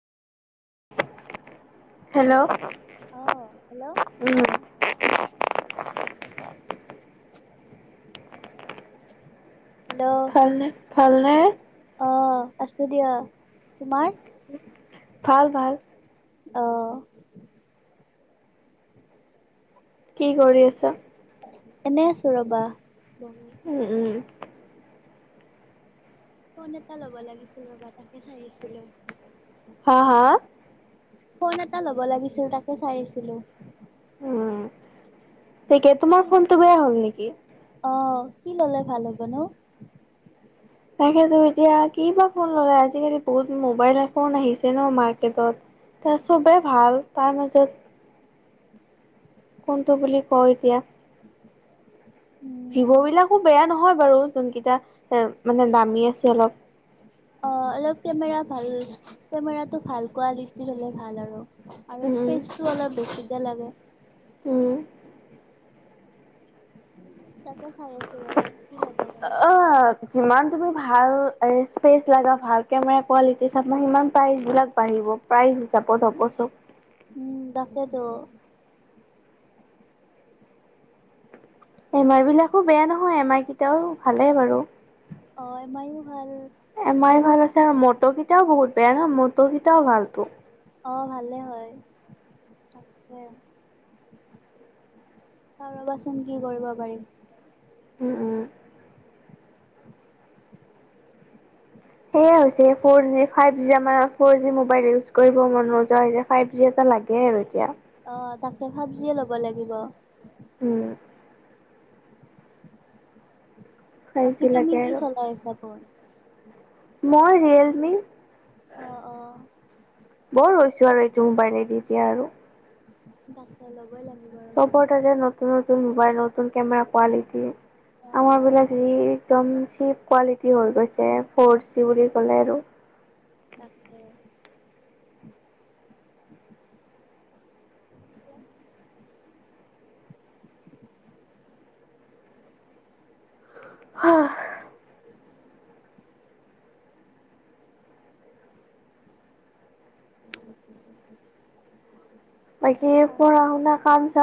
Hello অহ hello hello ভাল নে [unintelligible] ভাল ভাল অহ কি কৰি আছা এনে আছো ৰবা বহি উম উম ফোন এটা ল'ব লাগিছিল ৰবা তাকে চাইছিলো হা হা ফোন এটা ল'ব লাগিছিল তাকে চাই আছিলো উম তাকে কি তোমাৰ ফোনটো বেয়া হ'ল নেকি অ কি ল'লে ভাল হ'ব নো তাকেতো এতিয়া কি বা ফোন ল'লে আজিকালি বহুত মোবাইল ফোন আহিছে ন মাৰ্কেটত চবেই ভাল তাৰ মাজত কোনটো বুলি কওঁ এতিয়া ভিভ উম বিলাকো বেয়া নহয় বাৰু যোনকেইটা এ মানে দামী আছে অলপ অ অলপ কেমেৰা ভাল কেমেৰাটো ভাল কোৱালিটিৰ হলে ভাল আৰু আৰু উম স্পেচটো অলপ বেছি একে লাগে উম তাকে চাই আছো ৰবা কি ল'ব পাৰি অ কিমান তুমি ভাল এ স্পেচ লগা ভাল কেমেৰা কোৱালিটিৰ চ সমান প্ৰাইজ বিলাক বাঢ়িব প্ৰাইজ হিচাপত হবচোন উম তাকেটো এমই বিলাকো বেয়া নহয় এম আই কেইটাও ভালে বাৰু অ মোবাইল ভাল এমাই আৰু ভাল আছে আৰু মট ক এতিয়াও বহুত বেয়া ন মট কেইটাও ভালতো অ ভালে হয় তাকে কাৰবচোন কি কৰিব পাৰিম উম উম সেয়াই হৈছে ফৰ জি ফাইভ জি আ ফৰ জি মোবাইল ইউজ কৰিব মন যোৱা হৈছে ফাইভ জি এটা লাগে আৰু এতিয়া অ তাকে ফাইভজিয়ে ল'ব লাগিব উম [unintelligible] ফাইভ বাকী জি তুমি লাগে কি আৰু। চলাইছা ফোন মই ৰিয়েলমি অ অ বৰ ৰছ আৰু এইটো মোবাইলে দি দিয়া আৰু যাক লগ চব যে নতুনত ন মোবাইল নতুন কেমেৰা কোৱালিটি অ আমাৰ বিলা য একদম চিপ কোৱালিটি হৈ গৈছে ফ'ৰ চি বুলি ক'লে আৰু তাতে হ [inaudible] বাকি পঢ়া শুনা কাম চাব